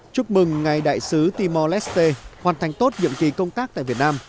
chúc mừng ngài đại sứ timor leste hoàn thành tốt nhiệm kỳ công tác tại việt nam